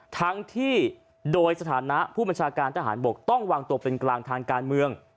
ทั้งที่โดยสถานะผู้บัญชาการทหารบกต้องวางตัวเป็นกลางทางการเมือง